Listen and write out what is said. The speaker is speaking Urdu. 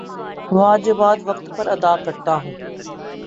واجبات وقت پر ادا کرتا ہوں